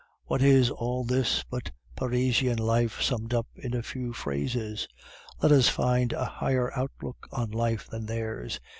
What is all this but Parisian life summed up in a few phrases? Let us find a higher outlook on life than theirs.